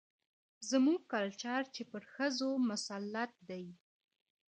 زموږ کلچر چې پر ښځو مسلط دى،